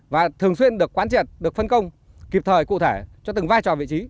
và thường xuyên được quán triệt được phân công kịp thời cụ thể cho từng vai trò vị trí